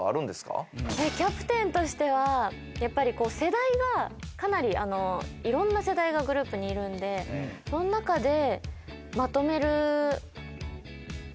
キャプテンとしてはやっぱりいろんな世代がグループにいるんでその中で。